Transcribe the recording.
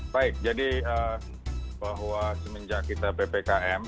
baik jadi bahwa semenjak kita ppkm